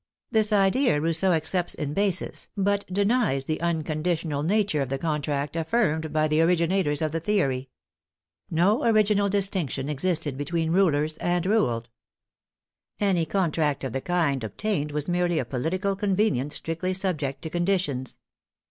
This idea Rousseau accepts in basis, but denies the un conditional nature of the contract affirmed by the orig inators of the theory. No original distinction existed THE LITERARY PROLOGUE 3 between rulers and ruled. Any contract of the kind that obtained was merely a political convenience strictly subject to conditions.